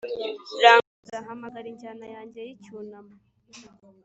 rangurura, hamagara injyana yanjye y'icyunamo,